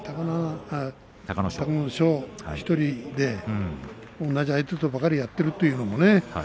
隆の勝１人で同じ相手とばかりやっているというのもね